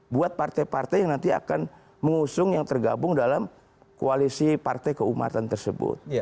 buat partai partai yang nanti akan mengusung yang tergabung dalam koalisi partai keumatan tersebut